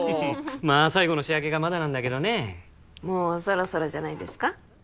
まあ最後の仕上げがまだなんだけどねもうそろそろじゃないですか？